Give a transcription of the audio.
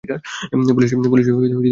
পুলিশের লোক বলেই মনে হল।